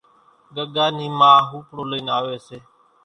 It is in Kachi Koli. ڳڳا نِي ما ۿوپڙون لئين آوي سي